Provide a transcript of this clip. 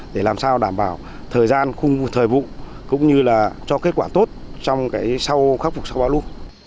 để làm sao đảm bảo thời gian khung thời vụ cũng như là cho kết quả tốt trong sau khắc phục sau bao lũ